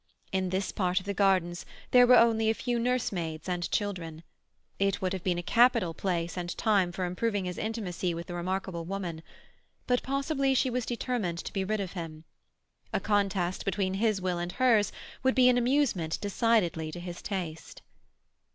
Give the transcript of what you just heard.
In this part of the gardens there were only a few nursemaids and children; it would have been a capital place and time for improving his intimacy with the remarkable woman. But possibly she was determined to be rid of him. A contest between his will and hers would be an amusement decidedly to his taste.